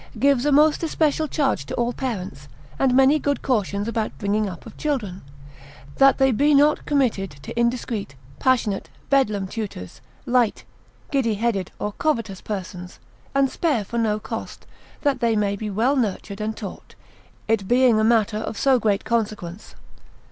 filiae, gives a most especial charge to all parents, and many good cautions about bringing up of children, that they be not committed to indiscreet, passionate, bedlam tutors, light, giddy headed, or covetous persons, and spare for no cost, that they may be well nurtured and taught, it being a matter of so great consequence.